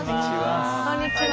こんにちは。